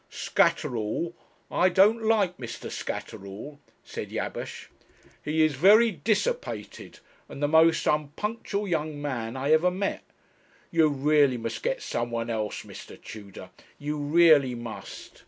'Scatterall I don't like Mr. Scatterall,' said Jabesh; 'he is very dissipated, and the most unpunctual young man I ever met you really must get some one else, Mr. Tudor; you really must.'